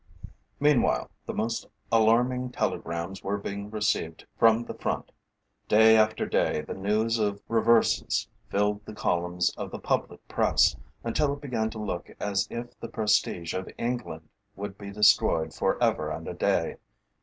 Meanwhile, the most alarming telegrams were being received from the Front. Day after day the news of reverses filled the columns of the Public Press, until it began to look as if the prestige of England would be destroyed for ever and a day.